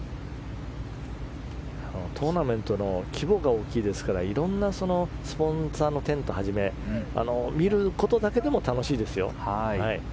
トーナメントの規模が大きいですからいろんなスポンサーのテントはじめ見るだけでも楽しいですよ。